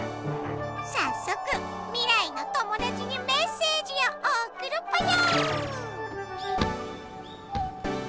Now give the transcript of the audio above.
さっそく未来のトモダチにメッセージをおくるぽよ！